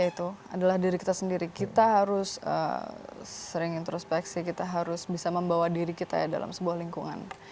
itu adalah diri kita sendiri kita harus sering introspeksi kita harus bisa membawa diri kita ya dalam sebuah lingkungan